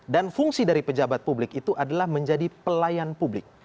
dan fungsi dari pejabat publik itu adalah menjadi pelayan publik